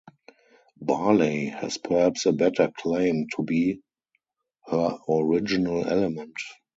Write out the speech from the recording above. Barley has perhaps a better claim to be her original element.